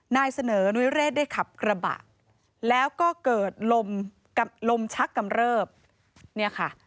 นายเสนอนุเรศได้ขับกระบะแล้วก็เกิดลมลมชักกำเริบเนี่ยค่ะ